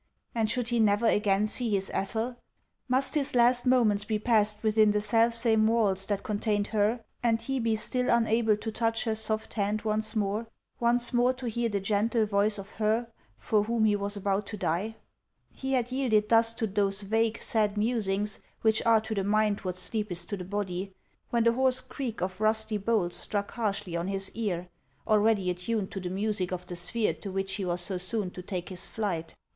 And should he never again see his Ethel ? Must his last moments be passed within the self same walls that con tained her, and he be still unable to touch her soft hand once more, once more to hear the gentle voice of her for whom he was about to die ? He had yielded thus to those vague, sad musings which are to the mind what sleep is to the body, when the hoarse creak of rusty bolts struck harshly on his ear, already at tuned to the music of the sphere to which he was so soon to take his flight.